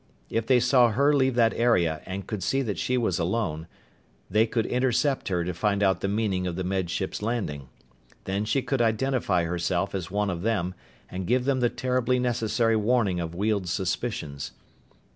If they saw her leave that area and could see that she was alone, they should intercept her to find out the meaning of the Med Ship's landing. Then she could identify herself as one of them and give them the terribly necessary warning of Weald's suspicions.